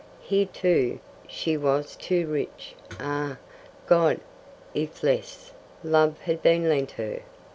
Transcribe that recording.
Here, too, she was too rich ah, God! if less Love had been lent her!